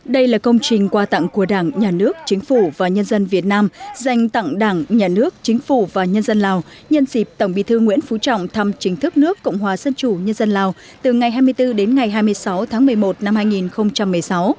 đây là công trình qua tặng của đảng nhà nước chính phủ và nhân dân việt nam dành tặng đảng nhà nước chính phủ và nhân dân lào nhân dịp tổng bí thư nguyễn phú trọng thăm chính thức nước cộng hòa dân chủ nhân dân lào từ ngày hai mươi bốn đến ngày hai mươi sáu tháng một mươi một năm hai nghìn một mươi sáu